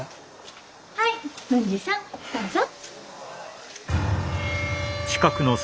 はい文治さんどうぞ。